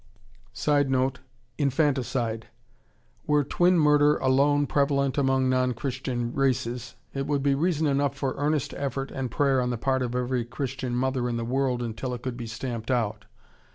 [Sidenote: Infanticide.] Were twin murder alone prevalent among non Christian races, it would be reason enough for earnest effort and prayer on the part of every Christian mother in the world until it could be stamped out.